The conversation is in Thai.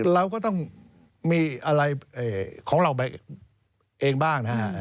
เราก็ต้องมีอะไรของเราไปเองบ้างนะฮะ